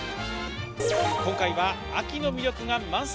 今回は、秋の魅力が満載！